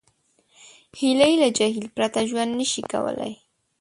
هیلۍ له جهیل پرته ژوند نشي کولی